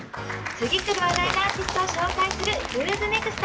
次くる話題のアーティストを紹介する「ＷＨＯ’ＳＮＥＸＴ！」。